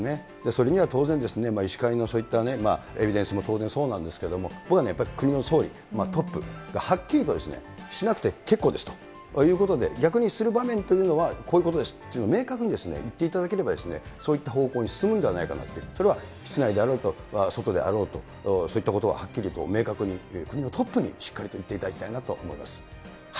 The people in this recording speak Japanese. それには当然、医師会のそういったエビデンスも当然そうなんですけれども、僕はやっぱり国の総意、トップがはっきりとしなくて結構ですということで逆にする場面というのは、こういうことですっていうのを明確に言っていただければ、そういった方向に進むんではないかなと、それは室内であろうと、外であろうと、そういったことははっきりと明確に、国のトップにしっかりと言っていただきたいなと思います。